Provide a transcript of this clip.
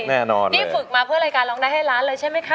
ได้ฝึกมาเพื่อรายการร้องได้ให้ร้านเลยใช่ม่คะ